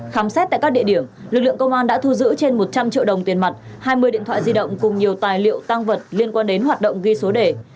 khám xét tại các địa điểm lực lượng công an đã thu giữ trên một trăm linh triệu đồng tiền mặt hai mươi điện thoại di động cùng nhiều tài liệu tăng vật liên quan đến hoạt động ghi số đề